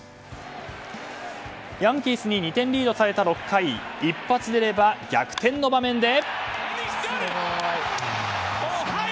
ヤンキースに２点リードされた６回一発出れば、逆転の場面で。